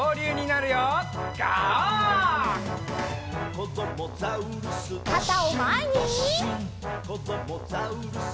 「こどもザウルス